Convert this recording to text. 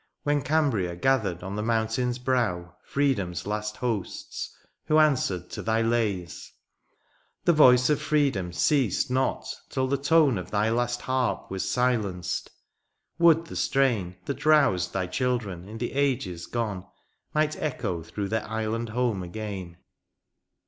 When Cambria gathered on the mountain's brow Freedom's last hosts, who answered to thy lays : The voice of freedom ceased not till the tone Of thy last harp was silenced ;^would the strain That roused thy children in the ages gone Might echo through their island home again.